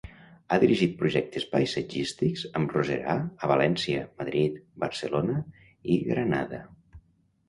Ha dirigit projectes paisatgístics amb roserar a València, Madrid, Barcelona i Granada.